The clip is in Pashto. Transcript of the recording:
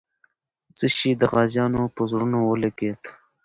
څه شی د غازیانو په زړونو ولګېد؟